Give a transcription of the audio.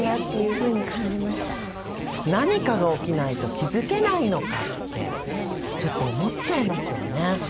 何かが起きないと気付けないのかってちょっと思っちゃいますよね。